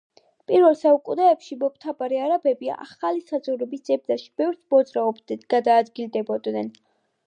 პირველ საუკუნეებში მომთაბარე არაბები ახალი საძოვრების ძებნაში ბევრს მოძრაობდნენ, გადაადგილდებოდნენ.